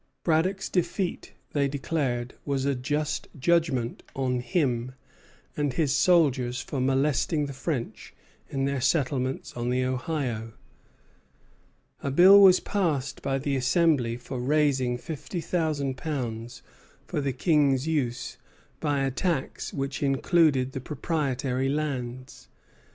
Braddock's defeat, they declared, was a just judgment on him and his soldiers for molesting the French in their settlements on the Ohio. A bill was passed by the Assembly for raising fifty thousand pounds for the King's use by a tax which included the proprietary lands.